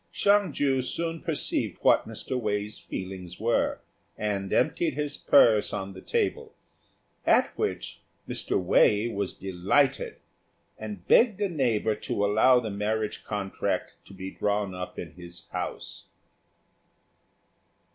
Hsiang ju soon perceived what Mr. Wei's feelings were, and emptied his purse on the table, at which Mr. Wei was delighted, and begged a neighbour to allow the marriage contract to be drawn up in his house.